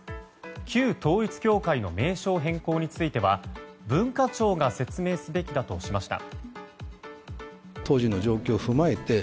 旧統一教会の名称変更については文化庁が説明すべきだとしました。